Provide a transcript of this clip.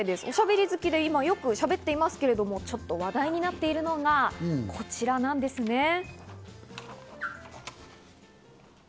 おしゃべり好きで今はよくしゃべっていますが、ちょっと話題になっているのがこちらなんですね。